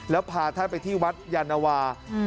แล้วพาท่านไปที่วัดยานวา